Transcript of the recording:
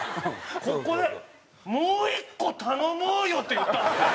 「これもう１個頼もうよ」って言ったんですよ。